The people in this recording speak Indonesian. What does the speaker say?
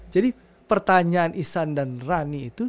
jadi pertanyaan isan dan rani itu